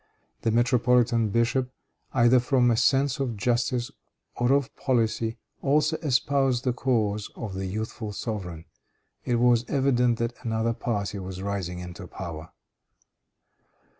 The metropolitan bishop, either from a sense of justice or of policy, also espoused the cause of the youthful sovereign. It was evident that another party was rising into power.